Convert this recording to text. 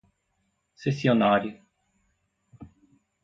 cessionário